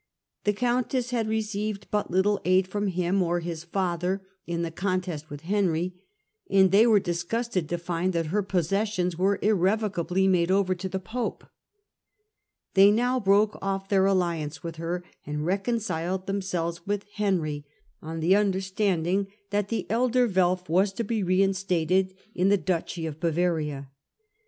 The countess had received but little aid from him or his father in the contest with Henry, and they were dis gusted to find that her possessions were irrevocably Henry is Hiado ovcr to the pope. They now broke witiTthe* oflf their alliance with her, and reconciled rcti?ns to themselves with Henry, on the understanding Germany ^jj^^t the elder Welf was to be reinstated in the duchy of Bavaria.